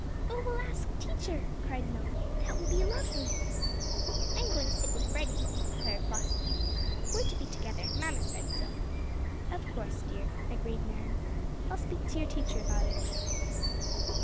"Oh, we'll ask teacher!" cried Nellie. "That will be lovely!" "I'm going to sit with Freddie," declared Flossie. "We're to be together mamma said so." "Of course, dear," agreed Nan. "I'll speak to your teacher about it."